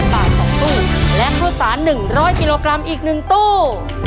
๕๐๐๐บาท๒ตู้และทุกสาร๑๐๐กิโลกรัมอีก๑ตู้